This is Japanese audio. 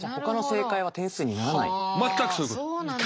全くそういうことです。